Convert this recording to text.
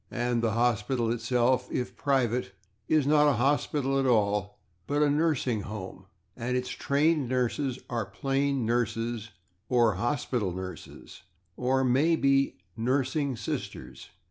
And the hospital itself, if private, is not a hospital at all, but a /nursing home/, and its trained nurses are plain /nurses/, or /hospital nurses/, or maybe /nursing sisters